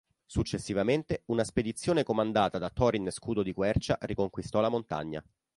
Successivamente, una spedizione comandata da Thorin Scudodiquercia riconquistò la montagna.